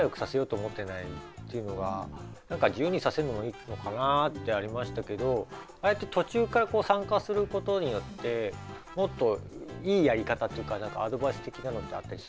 だから何か自由にさせるのもいいのかなあってありましたけどああやって途中から参加することによってもっといいやり方っていうか何かアドバイス的なのってあったりするんですか？